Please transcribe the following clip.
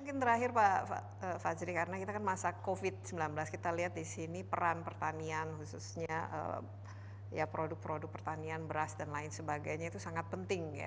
mungkin terakhir pak fajri karena kita kan masa covid sembilan belas kita lihat di sini peran pertanian khususnya produk produk pertanian beras dan lain sebagainya itu sangat penting ya